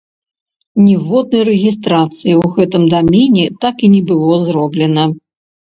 Ніводнай рэгістрацыі ў гэтым дамене так і не было зроблена.